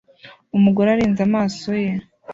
Umugore arinze amaso ye